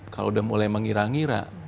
kalau udah mulai mengira ngira